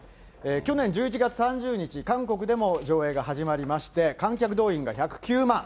去年１１月３０日、韓国でも上映が始まりまして、観客動員が１０９万。